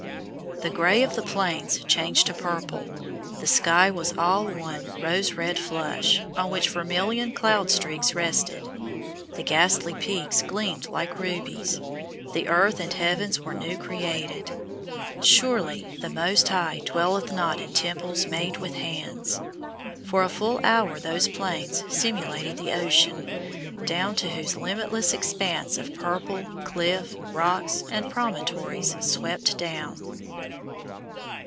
The grey of the Plains changed to purple, the sky was all one rose red flush, on which vermilion cloud streaks rested; the ghastly peaks gleamed like rubies, the earth and heavens were new created. Surely "the Most High dwelleth not in temples made with hands!" For a full hour those Plains simulated the ocean, down to whose limitless expanse of purple, cliff, rocks, and promontories swept down.